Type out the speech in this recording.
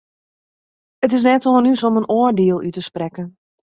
It is net oan ús om in oardiel út te sprekken.